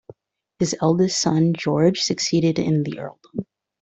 His eldest son George succeeded in the earldom.